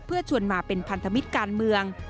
เพื่อชวนมาเป็นพันธมิตรการเมือง